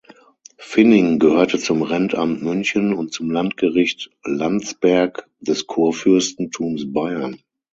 Finning gehörte zum Rentamt München und zum Landgericht Landsberg des Kurfürstentums Bayern.